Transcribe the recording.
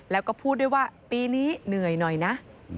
แล้วก็พูดด้วยว่าปีนี้เหนื่อยหน่อยนะ